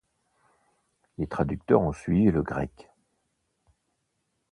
Les traducteurs ont suivi le grec.